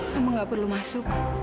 kamu tidak perlu masuk